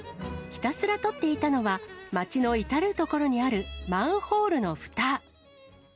ひたすら撮っていたのは、街の至る所にあるマンホールのふた。